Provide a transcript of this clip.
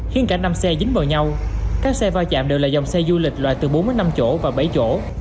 khiến cả năm xe dính vào nhau các xe va chạm đều là dòng xe du lịch loại từ bốn năm chỗ và bảy chỗ